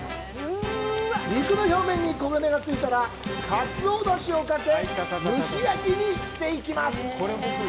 肉の表面に焦げ目がついたらカツオ出汁をかけ蒸し焼きにしていきます。